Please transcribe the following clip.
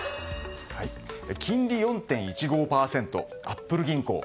金利４．１５％、アップル銀行。